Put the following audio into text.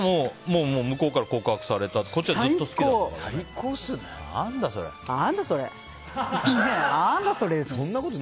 向こうから告白されてこっちはずっと好きだったと。